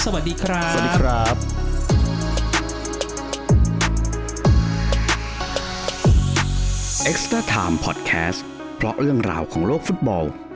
สวัสดีครับ